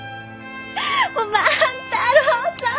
もう万太郎さん！